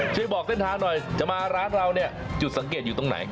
ช่วยบอกเส้นทางหน่อยจะมาร้านเราเนี่ยจุดสังเกตอยู่ตรงไหน